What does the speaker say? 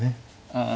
ああ